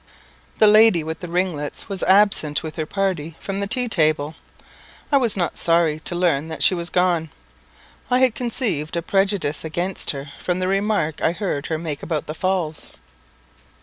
S.M. The lady with the ringlets was absent with her party from the tea table; I was not sorry to learn that she was gone. I had conceived a prejudice against her from the remark I heard her make about the Falls.